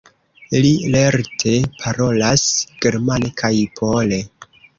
Li lerte parolas germane kaj pole.